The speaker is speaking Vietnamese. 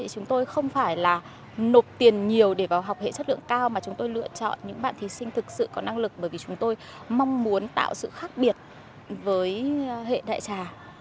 chúng tôi không phải là nộp tiền nhiều để vào học hệ chất lượng cao mà chúng tôi lựa chọn những bạn thí sinh thực sự có năng lực bởi vì chúng tôi mong muốn tạo sự khác biệt với hệ đại trà